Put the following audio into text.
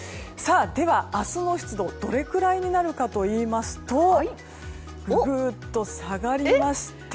では、明日の湿度がどれくらいになるかといいますとググっと下がりまして。